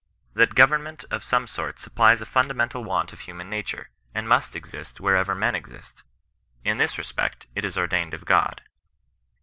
That government of some sort supplies a fundamental want of human nature, and must exist wherever men exist. In this respect it is ordained of Gbd.